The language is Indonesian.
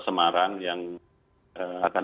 semarang yang akan